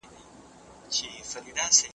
پلار مي وویل چي پښتو خپله مورنۍ ژبه وګڼه.